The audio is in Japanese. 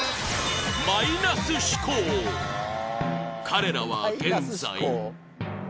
彼らは現在？